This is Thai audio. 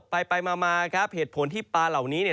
ไปมานะครับเหตุผลที่ปลาเหล่านี้